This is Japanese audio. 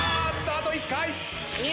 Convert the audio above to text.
あと１回。